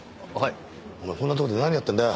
お前こんなとこで何やってんだよ？